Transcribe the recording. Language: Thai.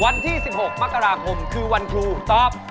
วันที่๑๖มกราคมคือวันครูตอบ